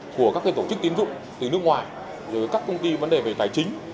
của các cái tổ chức kiếm dụng từ nước ngoài rồi các công ty vấn đề về tài chính